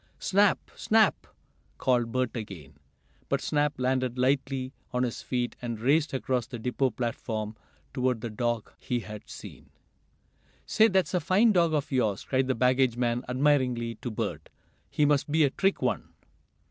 "Snap! Snap!" called Bert again. But Snap landed lightly on his feet, and raced across the depot platform toward the dog he had seen. "Say, that's a fine dog of yours!" cried the baggage man admiringly to Bert. "He must be a trick one."